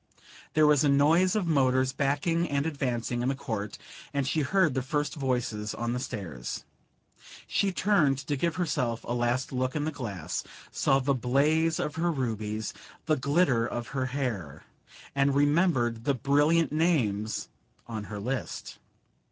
There was a noise of motors backing and advancing in the court, and she heard the first voices on the stairs. She turned to give herself a last look in the glass, saw the blaze of her rubies, the glitter of her hair, and remembered the brilliant names on her list.